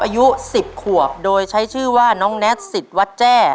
อายุ๑๐ขวบโดยใช้ชื่อว่าน้องแน็ตสิทธิ์วัดแจ้